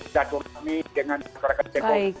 jadwal kami dengan masyarakat ceko